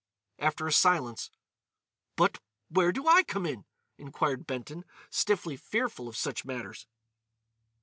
After a silence: "But—where do I come in?" inquired Benton, stiffly fearful of such matters.